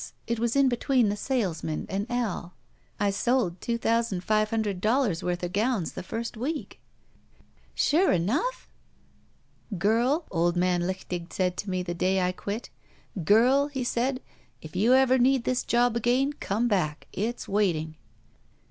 It was in between the salesman and Al. I sold two thousand five htmdred dollars' worth of gowns the first week." Sure enough?" Girl,' old man Lichtig said to me the day I quit — 'girl,' he said, *if ever you need this job again, comeback; it's waiting.'"